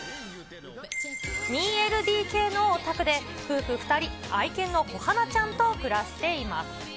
２ＬＤＫのお宅で、夫婦２人、愛犬のこはなちゃんと暮らしています。